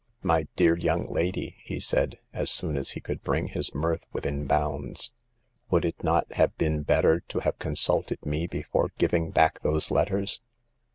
"My dear young lady," he said, as soon as he could bring his mirth with in bounds, '* would it not have been better to have consulted me before giving back those letters